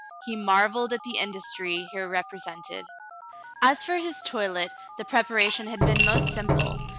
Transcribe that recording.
He mar velled at the industry here represented. As for his toilet, the preparation had been most simple.